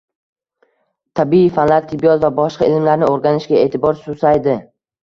Tabiiy fanlar, tibbiyot va boshqa ilmlarni o‘rganishga e’tibor susaydi